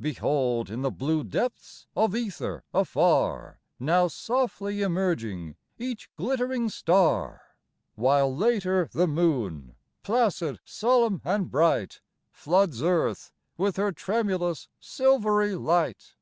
Behold, in the blue depths of ether afar, Now softly emerging each glittering star; While, later, the moon, placid, solemn and bright, Floods earth with her tremulous, silvery light.